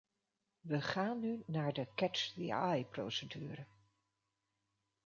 We gaan nu naar de "catch the eye”-procedure.